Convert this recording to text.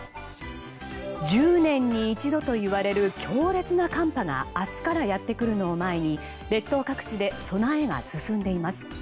１０年に一度といわれる強烈な寒波が明日からやってくるのを前に列島各地で備えが進んでいます。